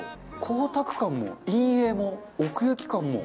光沢感も陰影も奥行き感も。